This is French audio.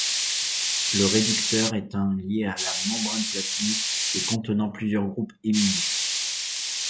Le réducteur est un lié à la membrane plasmique et contenant plusieurs groupes héminiques.